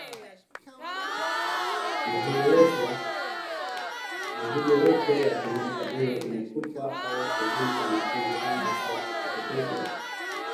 Mizoga yote ya kimeta iwe imetupwa au kuzikwa chini sana au kuteketezwa